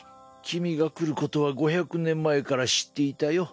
君が来ることは５００年前から知っていたよ